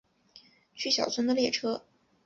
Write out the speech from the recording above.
去小樽的列车